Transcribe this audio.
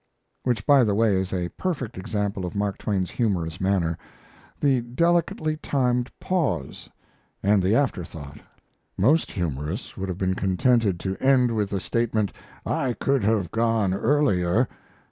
Which, by the way, is a perfect example of Mark Twain's humorous manner, the delicately timed pause, and the afterthought. Most humorists would have been contented to end with the statement, "I could have gone earlier."